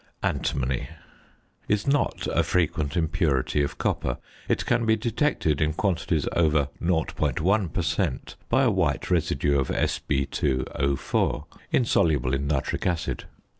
~Antimony~ is not a frequent impurity of copper: it can be detected in quantities over 0.1 per cent. by a white residue of Sb_O_, insoluble in nitric acid.